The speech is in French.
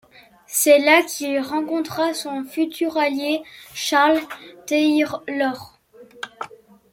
C'est là qu'il rencontra son futur allié, Charles Taylor.